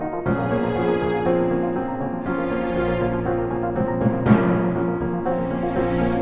terdakwa sarah aurelia dipersilakan memasuki ruang persidangan